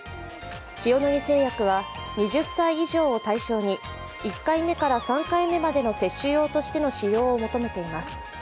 塩野義製薬は２０歳以上を対象に１回目から３回目までの接種用としての使用を求めています。